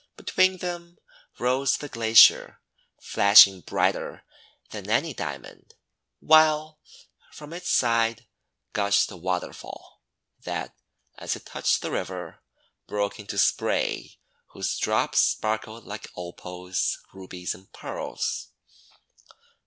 Between them rose the Glacier, flashing brighter than any Diamond, while from its side gushed a waterfall, that, as it touched the river, broke into spray whose drops sparkled like Opals, Rubies, and Pearls.